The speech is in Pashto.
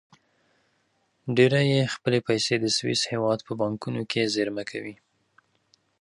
ډېری یې خپلې پیسې د سویس هېواد په بانکونو کې زېرمه کوي.